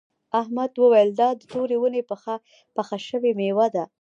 احمد وویل دا د تورې ونې پخه شوې میوه ده.